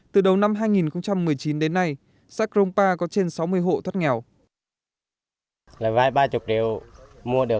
từ đầu năm hai nghìn một mươi chín đến nay xã cronpa có trên sáu mươi hộ thoát nghèo